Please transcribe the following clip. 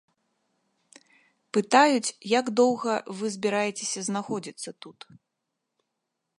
Пытаюць, як доўга вы збіраецеся знаходзіцца тут.